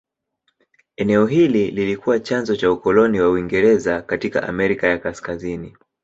Eneo hili lilikuwa chanzo cha ukoloni wa Uingereza katika Amerika ya Kaskazini.